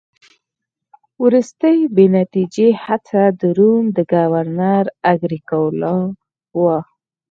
وروستۍ بې نتیجې هڅه د روم د ګورنر اګریکولا وه